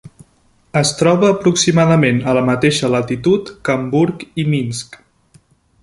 Es troba aproximadament a la mateixa latitud que Hamburg i Minsk.